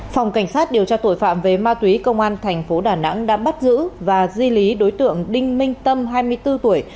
phòng cảnh sát điều tra tội phạm về ma túy công an thành phố đà nẵng đã bắt giữ và di lý đối tượng đinh minh tâm hai mươi bốn tuổi